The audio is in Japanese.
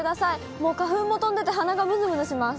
もう、花粉も飛んでて鼻がむずむずします。